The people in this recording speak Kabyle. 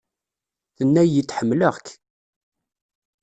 Tenna-yi-d "ḥemmleɣ-k".